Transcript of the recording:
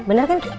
bener kan ki